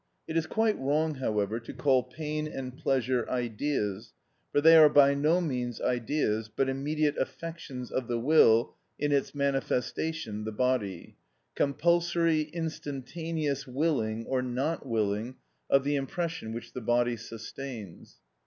It is quite wrong, however, to call pain and pleasure ideas, for they are by no means ideas, but immediate affections of the will in its manifestation, the body; compulsory, instantaneous willing or not willing of the impression which the body sustains.